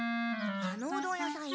あのうどん屋さん